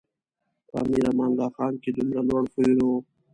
په امیر امان الله خان کې دومره لوړ خویونه و.